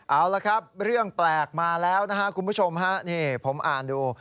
เอาละครับเรื่องแปลกมาแล้วนะครับคุณผู้ชมฮะนี่ผมอ่านดู